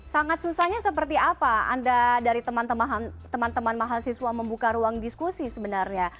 sangat susahnya seperti apa anda dari teman teman mahasiswa membuka ruang diskusi sebenarnya